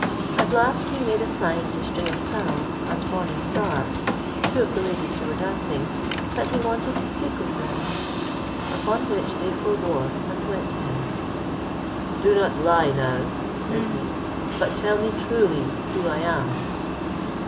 At last he made a sign to String of Pearls and Morning Star, two of the ladies who were dancing, that he wanted to speak with them; upon which they forbore, and went to him. "Do not lie now," said he, "but tell me truly who I am?"